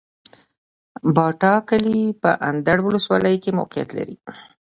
باټا کلی په اندړ ولسوالۍ کي موقعيت لري